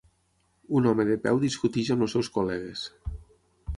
Un home de peu discuteix amb els seus col·legues.